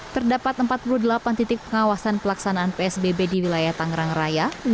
terdapat empat puluh delapan titik pengawasan pelaksanaan psbb di wilayah tangerang raya